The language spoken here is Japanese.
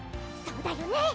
そうだよね？